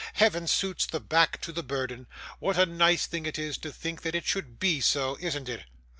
Heaven suits the back to the burden. What a nice thing it is to think that it should be so, isn't it?